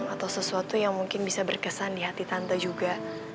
atau sesuatu yang mungkin bisa berkesan di hati tante juga